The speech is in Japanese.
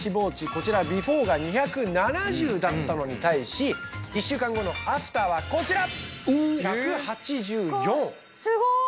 こちらビフォーが２７０だったのに対し１週間後のアフターはこちらすごい！